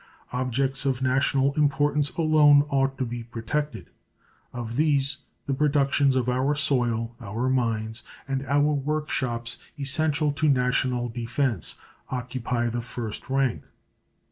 Objects of national importance alone ought to be protected. Of these the productions of our soil, our mines, and our work shops, essential to national defense, occupy the first rank.